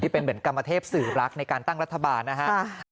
เป็นเหมือนกรรมเทพสื่อรักในการตั้งรัฐบาลนะฮะ